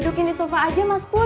dudukin di sofa aja mas pur